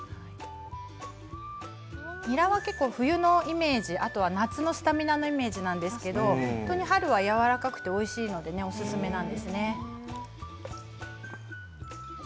ニラは結構冬のイメージ、あと夏のスタミナのイメージですが本当に春はやわらかくておいしいのでおすすめなんですね。